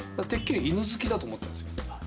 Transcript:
てっきり犬好きだと思ってたんです。